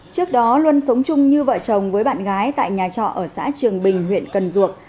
trước đó luân sống chung như vợ chồng với bạn gái tại nhà trọ ở xã trường bình huyện cần duộc